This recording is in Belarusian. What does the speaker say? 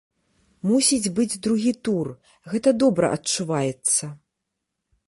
Мусіць быць другі тур, гэта добра адчуваецца.